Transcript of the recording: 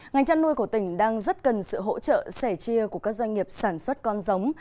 ngành chăn nuôi của tỉnh đang rất cần sự hỗ trợ sẻ chia của các doanh nghiệp sản xuất con giống